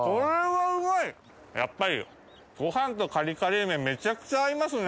やっぱりご飯とカリカリ梅めちゃくちゃ合いますね。